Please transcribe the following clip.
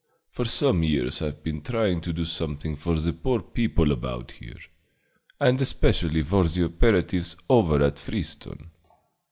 For some years I've been trying to do something for the poor people about here, and especially for the operatives over at Friezeton.